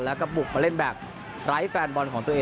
แล้วก็บุกมาเล่นแบบไร้แฟนบอลของตัวเอง